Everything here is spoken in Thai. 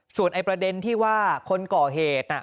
ส่วนประเด็นที่ว่าคนก่อเหตุ